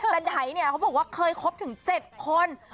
แต่ไดเนี่ยเขาบอกว่าเคยคบถึง๗คน